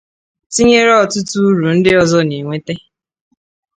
tinyere ọtụtụ úrù ndị ọzọ ọ na-ewèta.